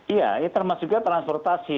iya ini termasuknya transportasi